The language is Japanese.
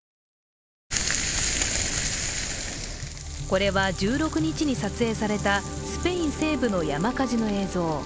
これは１６日に撮影されたスペイン西部の山火事の映像。